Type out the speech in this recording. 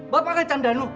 bapak ngancam danu